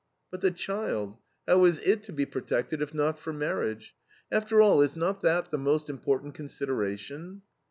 But the child, how is it to be protected, if not for marriage? After all, is not that the most important consideration?